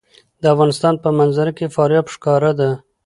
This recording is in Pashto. د افغانستان په منظره کې فاریاب ښکاره ده.